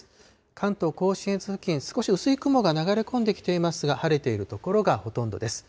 関東甲信越付近、少し薄い雲が流れ込んできていますが、晴れている所がほとんどです。